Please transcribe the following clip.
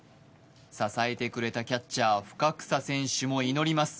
支えてくれたキャッチャー・深草選手も祈ります。